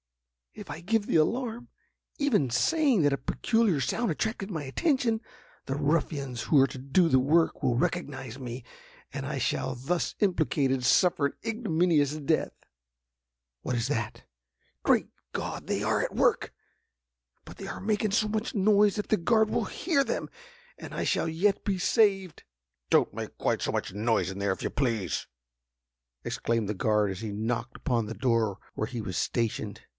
"If I give the alarm, even saying that a peculiar sound attracted my attention, the ruffians who are to do the work, will recognize me, and I shall, thus implicated, suffer an ignominious death! What is that? Great God! they are at work! But they are making so much noise that the guard will hear them, and I shall yet be saved!" "Don't make quite so much noise in there, if you please!" exclaimed the guard, as he knocked upon the door where he was stationed.